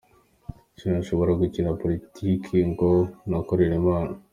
Sinshobora gukina politiki ngo nakorere Imana.